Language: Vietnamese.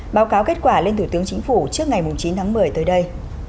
báo cáo kết quả lên thủ tướng chính phủ trước ngày chín tháng một mươi tới đây